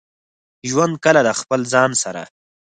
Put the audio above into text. ژوند کله د خپل ځان سره.